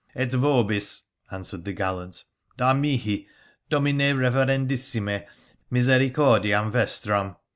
' Et vobis,' answered the gallant, ' da mihi, domine rever endissime, misericordiam vestram